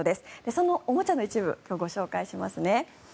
そのおもちゃの一部を今日ご紹介しますね。